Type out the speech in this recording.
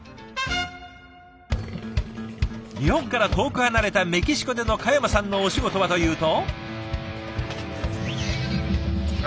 日本から遠く離れたメキシコでの嘉山さんのお仕事はというと。